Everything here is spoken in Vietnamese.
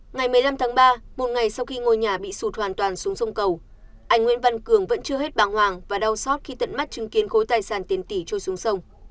ngày một mươi năm tháng ba một ngày sau khi ngôi nhà bị sụt hoàn toàn xuống sông cầu anh nguyễn văn cường vẫn chưa hết bàng hoàng và đau xót khi tận mắt chứng kiến khối tài sản tiền tỷ trôi xuống sông